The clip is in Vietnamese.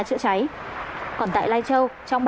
trợ cháy còn tại lai châu trong